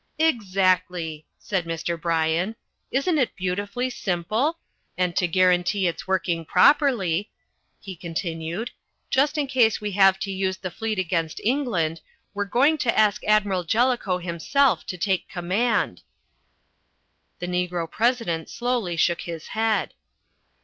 "Exactly," said Mr. Bryan. "Isn't it beautifully simple? And to guarantee its working properly," he continued, "just in case we have to use the fleet against England, we're going to ask Admiral Jellicoe himself to take command." The Negro President slowly shook his head.